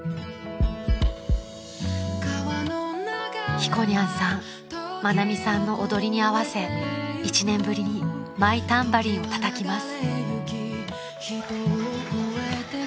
［ひこにゃんさん愛美さんの踊りに合わせ１年ぶりにマイタンバリンをたたきます］